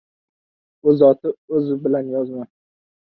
O‘z oti o‘zi bilan yozma.